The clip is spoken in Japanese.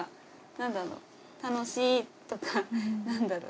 なんだろう楽しいとかなんだろうな。